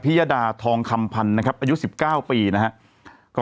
ยดาทองคำพันธ์นะครับอายุ๑๙ปีนะครับ